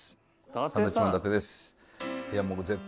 サンドウィッチマン伊達ですいや